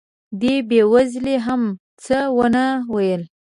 دې بې وزلې هم څه ونه ویل.